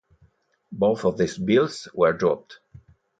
Both of these bills were dropped.